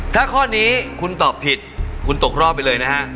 ถ้าข้อนี้คุณตอบผิดคุณตกรอบไปเลยนะฮะ